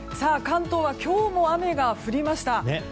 関東は今日も雨が降りました。